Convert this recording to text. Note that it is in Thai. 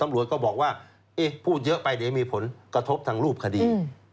ก็บอกว่าพูดเยอะไปเดี๋ยวมีผลกระทบทางรูปคดี